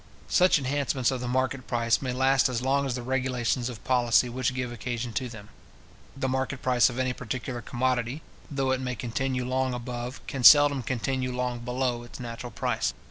Such enhancements of the market price may last as long as the regulations of policy which give occasion to them. The market price of any particular commodity, though it may continue long above, can seldom continue long below, its natural price.